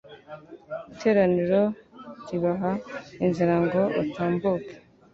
iteraniro ribaha inzira ngo batambuke